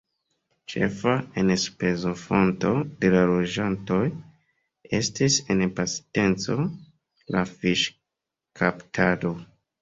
Ĉefa enspezofonto de la loĝantoj estis en pasinteco la fiŝkaptado.